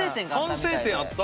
反省点あった？